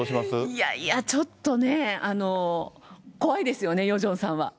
いやいや、ちょっとね、怖いですよね、ヨジョンさんは。